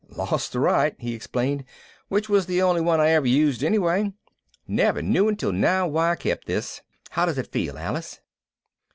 "Lost the right," he explained, "which was the only one I ever used anyway. Never knew until now why I kept this. How does it feel, Alice?"